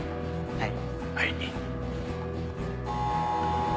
はい。